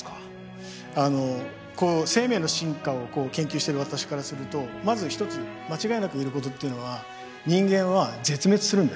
あの生命の進化を研究してる私からするとまず一つ間違いなく言えることっていうのは人間は絶滅するんです。